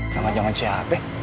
jangan jangan si hp